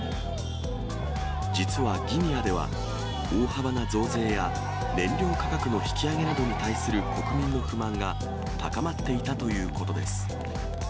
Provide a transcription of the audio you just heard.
実はギニアでは、大幅な増税や、燃料価格の引き上げなどに対する国民の不満が高まっていたということです。